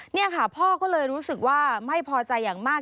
นี่ค่ะพ่อก็เลยรู้สึกว่าไม่พอใจอย่างมาก